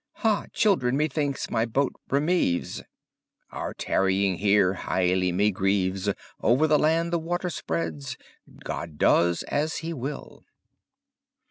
Ha! children, me thinkes my botte remeves, Our tarryinge heare highlye me greves, Over the lande the watter spreades; God doe as he will.